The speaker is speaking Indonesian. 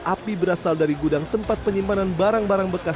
api berasal dari gudang tempat penyimpanan barang barang bekas